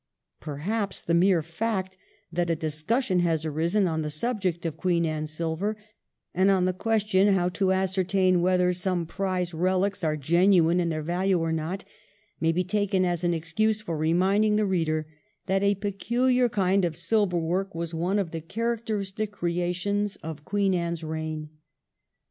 Perhaps the mere fact that a discussion has arisen on the subject of Queen Anne silver, and on the question how to ascertain whether some prize relics are genuine in their value or not, may be taken as an excuse for reminding the reader that a peculiar kind of silver work was one of the characteristic creations of Queen Anne's reign.